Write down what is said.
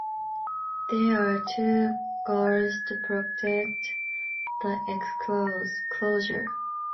There are two guards to protect the exclosure.